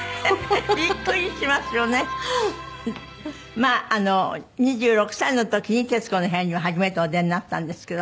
まあ２６歳の時に『徹子の部屋』には初めてお出になったんですけど。